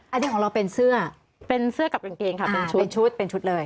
อันนี้ของเราเป็นเสื้อเป็นเสื้อกับกางเกงค่ะเป็นชุดเป็นชุดเป็นชุดเลย